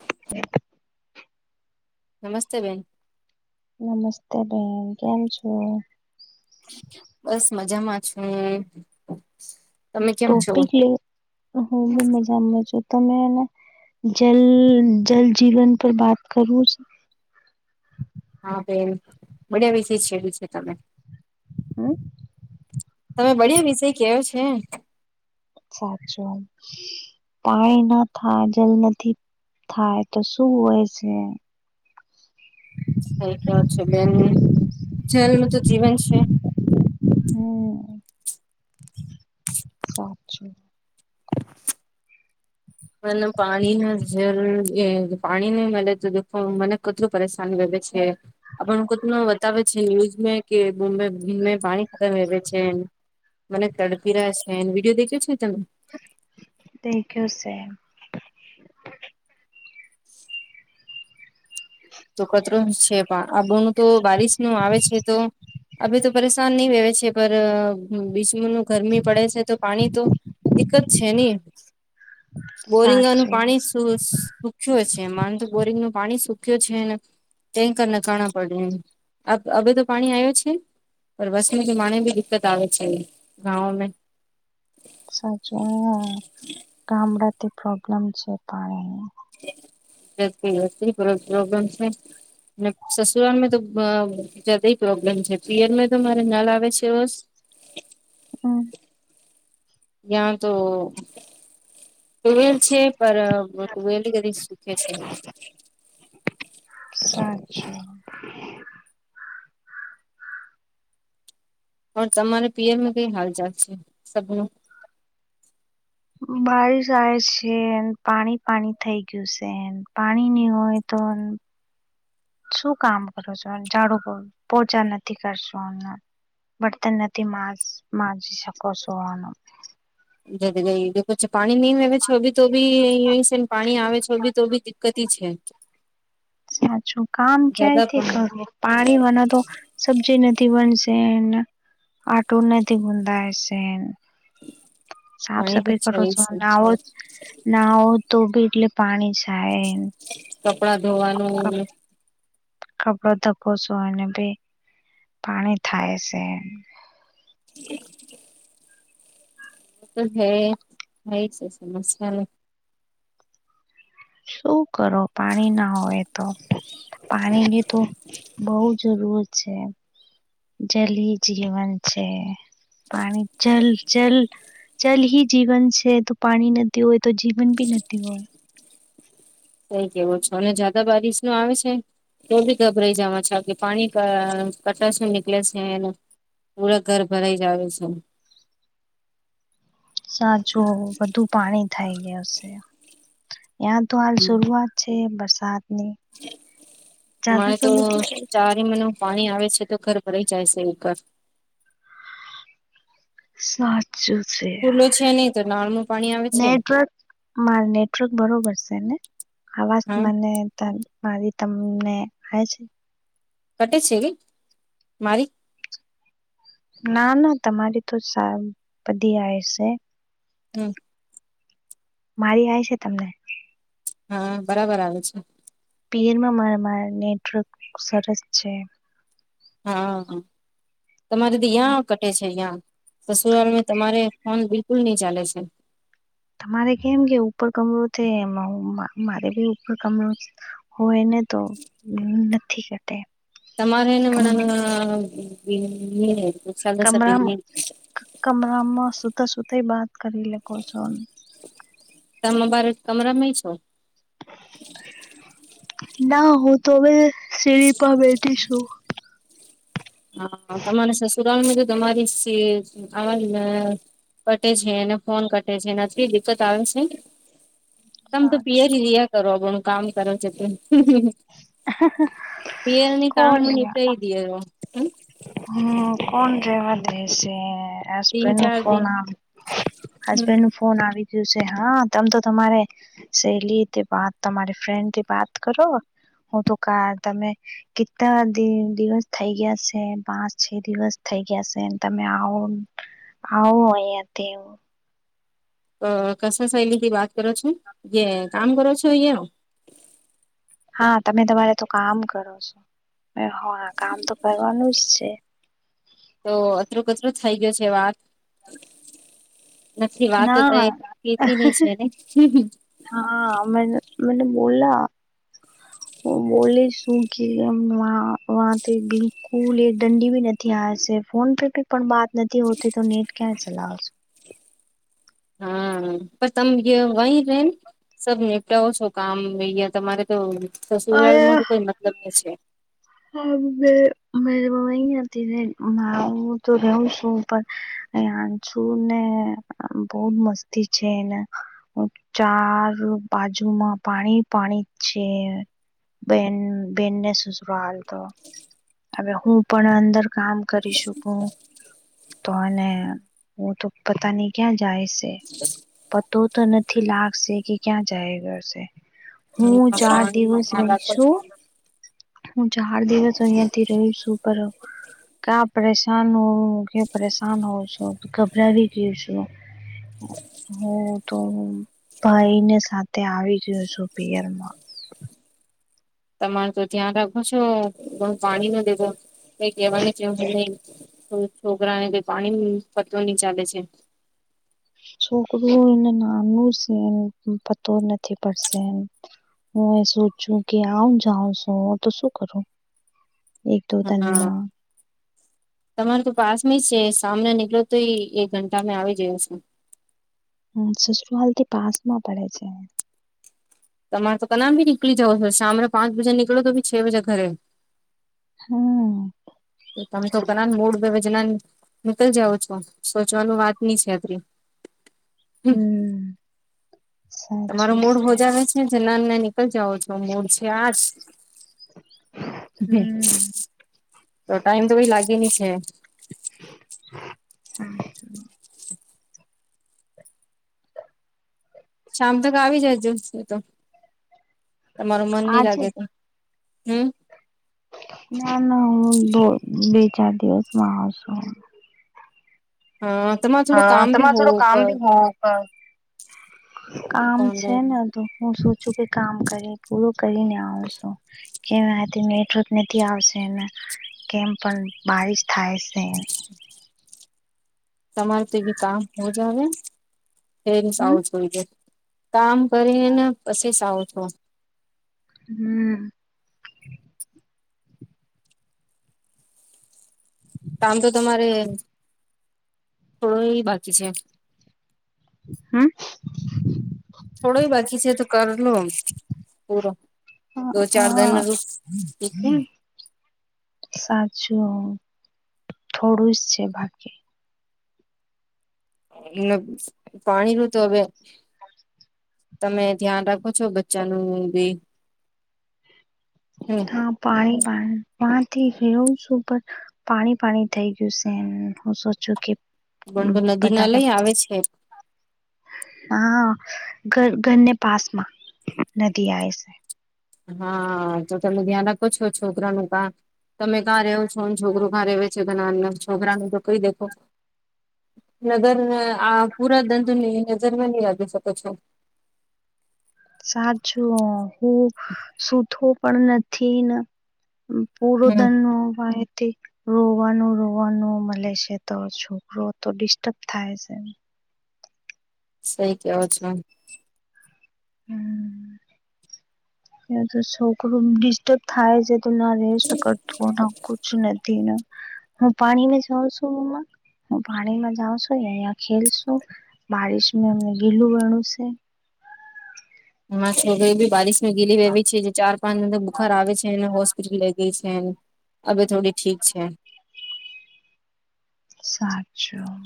[inaudible] નમસ્તે બેન. નમસ્તે બેન, કેમ છો? બસ મજામાં છું. તમે કેમ છો ટોપીક લી હું બી મજામા છું તમે અને જલ જલ જીવન પર વાત કરવું છે? હા બેન બદિયા વિષય છેડાયું છે તમે. હમ. તમે બળિયા વિષય કેયો છે. અચ્છા અચ્છા. પાણી ના થાય જલ નથી થાય તો શું હોય છે? સઈ કેવો છો બેન, જલ નું તો જીવન છે. હમ સાચું. પણ પાણી ના જરૂર એ પાણી નહી મળે તો દેખો મને કેટલું પરેશાન કરે છે. આપણ કોત બતાવે છે ન્યુઝ કે [unintelligible] મેં દિન મે પાણી ખરાબ આવે છે. મને તડપીરા છેને વિડીયો દેખ્યો છે તમે? દેખ્યો સે. [inaudible] તો કચરો છે પણ આબણું તો બારીશ નું આવે છે તો અભી તો પરેશાન ની વહેવે છે પર બીચ મેંનું ગરમી પડે છે. તો પાણી તો દિકકત છે ની. બોરિંગનું સાચું પાણી સુ સુખ્યું છે મા તો બોરિંગ નું પાણી સુખ્યું તૂટ્યો છે ને ટેન્કર ને કાણા પડે હ, તો પાણી આવ છે? પર બસમાં તો મને બી દિક્કત આવે છે ગાવ મેં. સાચું આ ગામડાથી પ્રોબ્લેમ છે પાણી નું. [inaudible] પ્રોબ્લેમ છે. અને સસુરાલ મેં તો બ જાદા પ્રોબ્લેમ છે, પિયરમાં તો મારે નલ આવે છે બસ. હમ યા તો તુવેલ છે પર તુવેલ કદી સુખે છે. સાચું. પણ તમારે પિયર માં કઈ હાલ ચાલ છે સબનું? બારીશ આવે છે, એ પાણી-પાણી થઈ ગયું સે. પાણી ની હોય તો શું કામ કરો છો ઝાડુ પોહચા નથી કરશો તો બળતન નથી માસ માજી શકો છો અણ. જટ જાઈ એ જો પછ પાણી નહીં આવેે છે બી તો બી અ છે ને પાણી આવે છે બી તો બી દિકકત છે સાચું કામ ક્યા જ્યાદા રીતે પણ કરવું પાણી વના તો સબ્જી નથી બનશે, આટો નથી બૂંધાયશે. સાફ પાણી તો સફાઈ છે કરો જ છો છે નાવો ના હો તો ભી એટલે પાણી જાય. કપડાં ધોવાનું કપડો ધકો છો અનેને ભી પાણી થાય છે. [unintelligible] તો હ હ એ છે સમસ્યા ન શું કરો પાણી ના હોય તો પાણીની તો બહ જરૂરત છે જલ જીવન છે પાણી જલ જલ જલ હ જીવન છે તો પાણી ન હોય તો જીવન ભી નથી હોય કઈ કેવો છો અને જદા બારીિશ નો આવે છે ગભરાઈ જાવા છ કે પાણી કટર નીલે છે પૂરા ઘર ભરાઈ જાવ છે સાચું બધું પાણી થઇ ગય છે ત્યાં તો હાલ હમ શરૂઆત છે બરસાતની મારે તો હોય છે ચારે મનો પાણી આવે છે તો ઘર ભરાઈ જાય છે ઉપર સાચું છે નલનું પાણી આવે છે નેટવર્ક મારે નેટવર્ક બરોબર છે ને આવાજ હા મને મારી તમને આવે છે કટે છે કઈ મારી ના ના તમારી તો સા બધી આવે છે હમ્મ મારી આ છે તમને હમ્મ બરાબર આવે છે પિરમાં મારા મારા નેટવર્ક સરસ છે હા હા તમારે તો યાં કટે છે યહાં સસુરાલ મા તમારે ફોન બિલકુલ નહી ચાલે છે તમારે કેમ કે ઉપર કમરો છે એ મારે બી ઉપર કમરો હોયને તો હ નથી કે કમરા [unintelligible] કમરામાં સુતા સુતા બાત કરી લકો છો તમે બાર કમરામાં છો ના હું તો હવે સીડી પર બેઠી છું હા તમારે સસુરાાલમાં તો તમારી આવાજ કટે છે અને ફોન કટે છે નથી દિકકત આવે છે ને તમ તો પિયર સાચું રિયા કરો આપ આપણું કામ કરે છે ત પીયરની કામ કોણ નીપટ દીમ હમ કોણ રેવા દેશે તીન હબન્ડ નું ચાર ફોન દિન આવ હબન્ડ ન ફોન આવી ગયું છે હા તમ તો તમારે શહેલી વાત તમારી ફ્રેન્ડ થી વાત કરો હું તો કાર તમે કેટલા દિવસ થઈ ગયા છે પાંચ છ દિવસ થઈ ગયા છે તમે આવો આવો અહીંયા તે અ કસ શહેલી થી વાત કરો છો જે કામ કરો છો અહીયા હા તમે તમારે તો કામ કરો છો હા કામ તો કરવાનું જ છે તો અતરો કતરો થઇ ગયો છે વાત નથી વાતો દ ના કીતી છે ને. હા મ મને બોલા. હ બોલે શું કે બિલકુલ એ દંડી ભી નથી. [unintelligible] છે ફોન પે ભી પણ વાત નથી હોતી તો નેટ ક્યાં ચલાવ. હા પણ તમે વહી રે સ નીપટાવો છો કામ અ તમારે. તો સસુરાલ માં કોઈ મતલબ નઈ છે. હરી મ્ અહીં હતી મા હું તો રહું છું. યા છું ને બહ મસ્તી છે એને. ચાર બાજુમાં પાણી પાણી જ છે. બેન બેનને સુસરાલ તો હવે હું પણ અંદર કામ કરી શકું. તો અને પતા નહી ક્યા જાયે. પતો તો નથી લાગશે કે ક્યાં જાય ઘરશે. હું ચાર પાણી દિવસ ધ્યાન રહી રાખો છું. છો હું ચાર દિવસ અહિયાં થી રહી છું પર. કા પરેશાન હોવ કે્યા પરેશાન હોઉં છો ગભરાવી જયસુ હુ તો હું ભાઈ ને સાથે આવી જાસુ પિયરમાં. તમારે તો ધ્યાન રાખો છો ઘણું પાણી ન દેવો કઈ કહેવાને જરૂર નહી. છોકરા ને કઈ પાણી પતો ની ચાલે છે. છોકરું એને નાનું છે એ પતો નથી પડશે એમ. હું એ સોચું કે આવ જાઉ છું તો શું કરું. એક દો તનમાં. [unintelligible] તમારે તો પાસ મી છે સામને નીકળ્યો તો એક ઘંટા મેં આવી જોયો છું. હમ્મ સસુરાલ થી પાસ માં પડે છે. તમારે તો કનામ બી નીકળી જાવ છો શામ રે પાંચ બજે નીકળો તો બી છે વાજે ઘરે. હમ્મ તમે તો ઘ મૂળ બેજના નીકળ જાઓ છો સોચવાનું વાત ની છે અત્રી. હમ્મ તમારો મૂડ હોજ આવેે છે જ ના નીકળ જાાવ છો મૂડ છે આજ. હમ [unintelligible] તો ટાઈમ તો કઈ લાગે ની છે. શામ તક આવી જાયજો ની તો તમારું મન નહી આજે લાગે તો. હમ્મ ના ના દો બે ચાર દિવસ માં આવ છું. હ હમારું હા તમારે થોડું કામ બી હોવ કામ છે ઓનલાઈન ને. તો હું સૂચું કે કામ કર પૂરું કરીને આવું છું. કેમ આજે નથી આવશે એને. કેમ પણ બારિશ થાય છે. તમારે તેવી કામ હોજ આવે એ હમ આવું જોઈ દે. કામ કરીને પછી સવ છો. હમ્મ [inaudible] કામ તો તમારે થોડું એ બાકી છે. હા. થોડો બાકી છે તો કરલો પૂરો. દો ચાર દન હા રૂ ઠીક હે. સાચું થોડું જ છે, ભાગ્ય. એ પાણી નું તો હવે. તમે ધ્યાન રાખો છો, બચ્ચાનુ બી. હમ્મ. પાણી પાણી પાથી ફેરવું છું ઉપર પાણી પાણી થઈ ગયું છે હું સોચું કે પણ તો નદી ના વધારે લઈ આવે છે. હા, ઘર ઘરને પાસ માં નદી આએ સે. હા તો તમે ધ્યાન રાખો છો છોકરાનું કા તમે કાં રહેવો છો, છોકરુ કાં રહે છે, ઘણા અર છોકરાને તો કઈ દે કો નગર આ પૂરા દડ ની નજર માં નહી આવી શકો છો સાચું હુ, સુતો પણ નથી ન પૂરો હમ ધનવાએથી રોવાનું રોવાનું મળે છે, તો છોકરો તો ડિસ્ટર્બ થાય છે. સઈ ક્યો છો. હમ્મ. એ છોકરુ ડિસ્ટર્બ થાય છે, તો ના રેસ્ટ કરતું ન કુછ નથીને હું પાણીમાં જાઉં છું મમ્મા, હું પાણીમાં જાઉં છું, અયા ખેલ છ. બારિશ અમને ગીલું હોણું છે. મા વગર એ બી બારીશ ની ગીલી રેવી છે જે ચાર પાંચ દર બુખાર આવે છે, અને હોસ લઈ ગઈ છે એમ હવે થોડી ઠીક છે. સાચું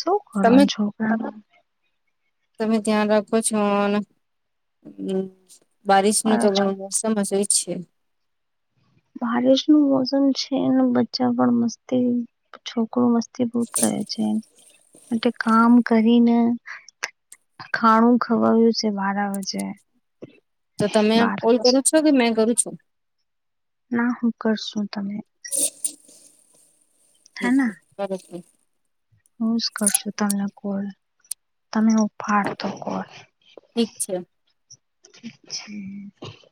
શું તમે કરવાનું છોકરાઓનુ. તમે ધ્યાન રાખો છો ન બારિશનું તો ઘણું મોસ સમસઈ છે. બારીશ નું મોસમ છેને, બચ્ચા પણ મસ્તી છોકરો મસ્ત તી ખૂબ જ કરે છે, એ કામ કરીને. ખાણું ખવાય્યું છે બાર આવે છે. તો તમે બાર કોલ કરો છો, કે મેં કરું છુ. ના હુ, કરશું તને. હમ્મ કરો તઈ હુંજ, કરશું તમને કોલ તમે હુ ઉફાડતો કોલ ઠીક છે. [inaudible]